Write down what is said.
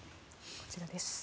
こちらです。